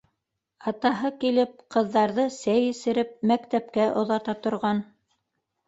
Атаһы килеп, ҡыҙҙарҙы сәй эсереп, мәктәпкә оҙата торған.